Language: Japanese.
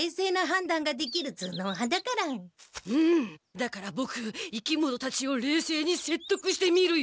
だからボク生き物たちをれいせいにせっとくしてみるよ。